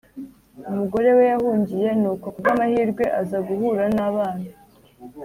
umugore we yahungiye. nuko ku bw'amahirwe aza guhura n'abana